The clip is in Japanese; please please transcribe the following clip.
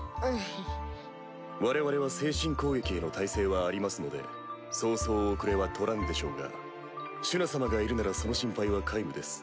我々は精神攻撃への耐性はありますのでそうそう遅れはとらぬでしょうがシュナ様がいるならその心配は皆無です。